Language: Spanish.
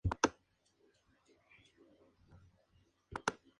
Tuvo como integrantes a trece equipos del Departamento de Lima.